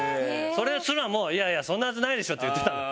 それすらも「いやいやそんなはずないでしょ」って言ってたの。